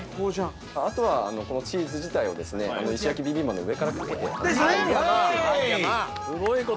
あとはこのチーズ自体を石焼きビビンバの上からかけて。